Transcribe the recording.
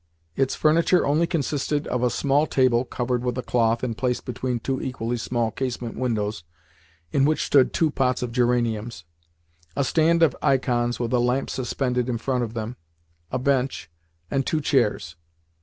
Its furniture only consisted of a small table (covered with a cloth, and placed between two equally small casement windows, in which stood two pots of geraniums), a stand of ikons, with a lamp suspended in front of them, a bench, and two chairs.